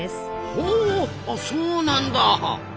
ほうあそうなんだ！